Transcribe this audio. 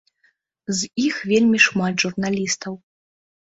З іх вельмі шмат журналістаў.